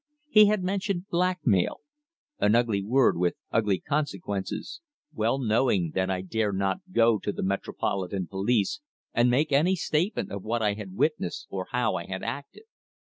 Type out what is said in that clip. He had mentioned blackmail an ugly word with ugly consequences well knowing that I dare not go to the Metropolitan Police and make any statement of what I had witnessed or of how I had acted.